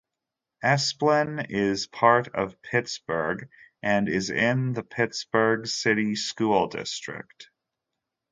Esplen is part of Pittsburgh and is in the Pittsburgh City School district.